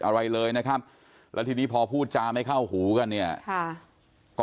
อะไรเลยนะครับแล้วทีนี้พอพูดจาไม่เข้าหูกันเนี่ยก็